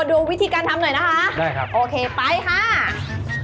ดูวิธีการทำหน่อยนะคะโอเคไปค่ะได้ครับ